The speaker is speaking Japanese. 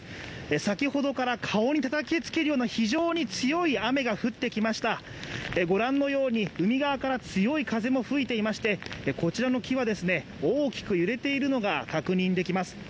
先ほどから顔に叩きつけるような非常に強い雨が降ってきましたご覧のように、海側から強い風も吹いていましてこちらの木はですね、大きく揺れているのが確認できます。